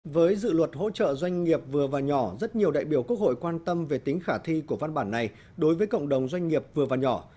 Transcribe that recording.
với dự luật hỗ trợ doanh nghiệp vừa và nhỏ rất nhiều đại biểu quốc hội quan tâm về tính khả thi của văn bản này đối với cộng đồng doanh nghiệp vừa và nhỏ